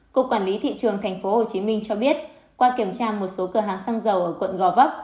cục quản lý thị trường tp hcm cho biết qua kiểm tra một số cửa hàng xăng dầu ở quận gò vấp